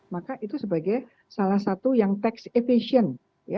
maka itu sebagai salah satu yang tax efficient